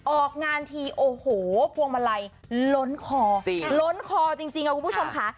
ออกงานทีโอ้โหพวงมาลัยล้นคอจริงล้นคอจริงค่ะคุณผู้ชมค่ะ